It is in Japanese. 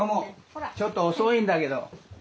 ちょっと遅いんだけど。